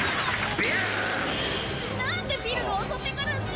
なんでビルが襲ってくるんすか！？